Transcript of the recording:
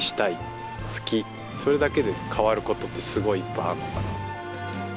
それだけで変わることってすごいいっぱいあるのかなと。